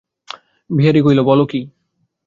বিহারী কহিল, বল কী।